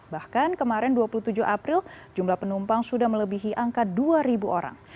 bahkan kemarin dua puluh tujuh april jumlah penumpang sudah melebihi angka dua orang